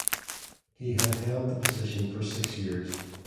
He had held the position for six years.